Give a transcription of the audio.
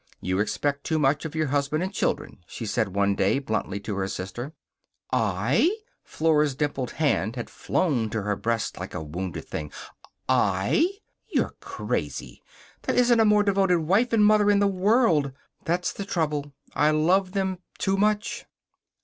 "You expect too much of your husband and children," she said one day, bluntly, to her sister. "I!" Flora's dimpled hand had flown to her breast like a wounded thing. "I! You're crazy! There isn't a more devoted wife and mother in the world. That's the trouble. I love them too much."